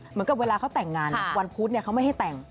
เหมือนกับเวลาเขาแต่งงานวันพุธเขาไม่ให้แต่ง